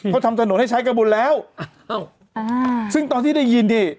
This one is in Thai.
เขาทำถนนให้ใช้กระบุญแล้วซึ่งตอนที่ได้ยินดิ